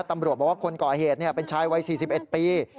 ตำรวจบอกว่าคนก่อเหตุเป็นชายวัย๔๑ปี